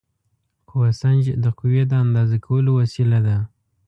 قوه سنج د قوې د اندازه کولو وسیله ده.